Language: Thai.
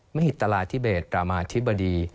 มหิตราธิเบศรามาธิบดี